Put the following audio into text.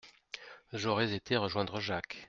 J'aurais été rejoindre Jacques.